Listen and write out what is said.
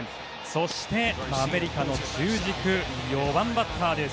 そして、アメリカの中軸４番バッターです。